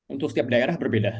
untuk setiap daerah berbeda